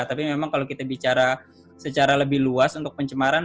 tapi memang kalau kita bicara secara lebih luas untuk pencemaran